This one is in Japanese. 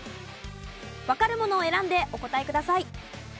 わかるものを選んでお答えください。